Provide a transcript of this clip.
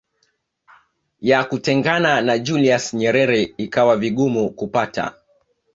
ya kutengana na Julius Nyerere ikawa vigumu kupata